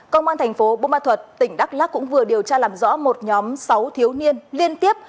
công an thành phố bô ma thuật tỉnh đắk lắc cũng vừa điều tra làm rõ một nhóm sáu thiếu niên liên tiếp